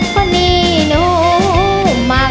ขนนี่นูมัก